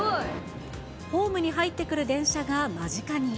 ホームに入ってくる電車が間近に。